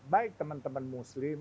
baik teman teman muslim